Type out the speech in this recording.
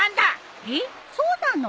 えっそうなの？